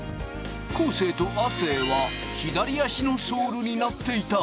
生と亜生は左足のソールになっていた！